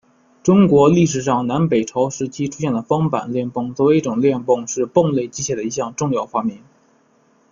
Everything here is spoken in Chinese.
中国历史上南北朝时期出现的方板链泵作为一种链泵是泵类机械的一项重要发明。